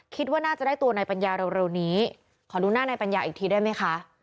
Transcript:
คิดว่าน่าจะได้ตัวนายปัญญาเร็วนี้ขอดูหน้านายปัญญาอีกทีได้ไหมคะ